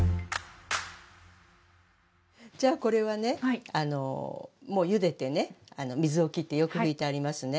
じゃあこれはねもうゆでてね水をきってよく拭いてありますね。